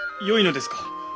よいのですか？